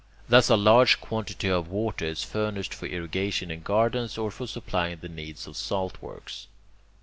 Thus, a large quantity of water is furnished for irrigation in gardens, or for supplying the needs of saltworks.